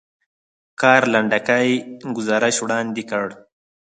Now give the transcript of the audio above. کار لنډکی ګزارش وړاندې کړ.